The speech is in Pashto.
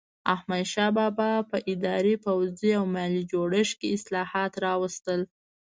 احمدشاه بابا په اداري، پوځي او مالي جوړښت کې اصلاحات راوستل.